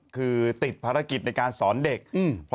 คือติดภารกิจในการสอนเด็กอืม